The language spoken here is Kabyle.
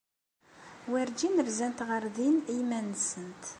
Werǧin rzant ɣer din iman-nsent.